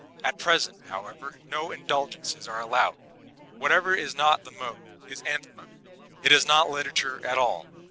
At present, however, no indulgences are allowed ; whatever is not the mode, is anathema ; it is not literature at all.